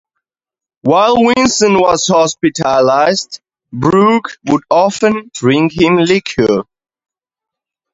While Vincent was hospitalized, Brooke would often bring him liquor.